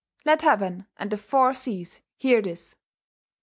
Let Heaven and the Four Seas hear this.